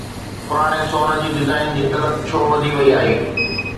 پراڻي سون جي ڊيزائن جي طلب ڇو وڌي وئي آهي؟